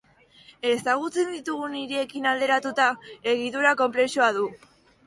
Ezagutzen ditugun hiriekin alderatuta, egitura konplexua du.